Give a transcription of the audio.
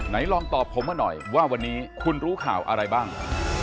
ลองตอบผมมาหน่อยว่าวันนี้คุณรู้ข่าวอะไรบ้าง